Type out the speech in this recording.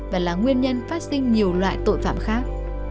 và là nguyên nhân phát sinh nhiều loại tội phạm khác